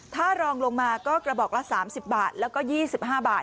ถ้ารองลงมาก็กระบอกละ๓๐บาทแล้วก็๒๕บาท